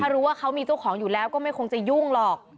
รู้ว่าเขามีเจ้าของอยู่แล้วก็ไม่คงจะยุ่งหรอก